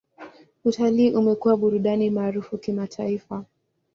Utalii umekuwa burudani maarufu kimataifa.